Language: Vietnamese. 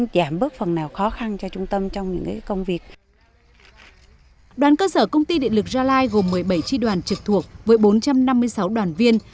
đoàn cơ sở công ty điện lực gia lai gồm một mươi bảy tri đoàn trực thuộc với bốn trăm năm mươi sáu đoàn viên